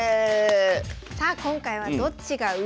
さあ今回は「どっちが上？」